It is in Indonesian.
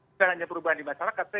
bukan hanya perubahan di masyarakat saya